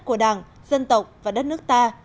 của đảng dân tộc và đất nước ta